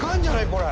これ。